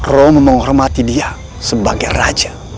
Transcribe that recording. romo menghormati dia sebagai raja